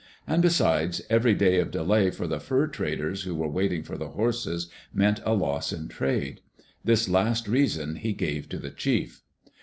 And besides, every day of delay for the fur traders who were waiting for the horses meant a loss in trade. This last reason he gave to the chief.